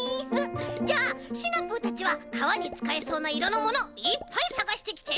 じゃあシナプーたちはかわにつかえそうないろのものいっぱいさがしてきて！